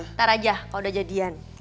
ntar aja kalau udah jadian